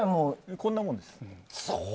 こんなもんです。